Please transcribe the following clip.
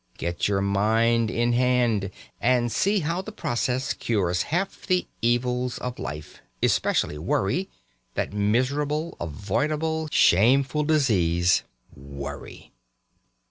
Get your mind in hand. And see how the process cures half the evils of life especially worry, that miserable, avoidable, shameful disease worry!